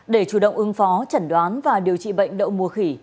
để chủ động ứng phó chẩn đoán và điều trị bệnh đậu mùa khỉ